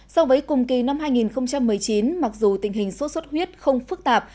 so với cùng kỳ năm hai nghìn một mươi chín mặc dù tình hình sốt xuất huyết không phức tạp